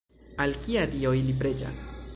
Al kia dio ili preĝas?